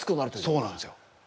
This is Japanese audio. そうなんですよ。